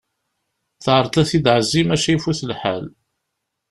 Teɛreḍ ad t-id-tɛezzi maca ifut lḥal.